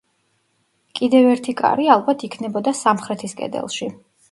კიდევ ერთი კარი, ალბათ, იქნებოდა სამხრეთის კედელში.